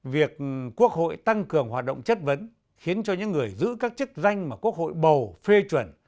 việc quốc hội tăng cường hoạt động chất vấn khiến cho những người giữ các chức danh mà quốc hội bầu phê chuẩn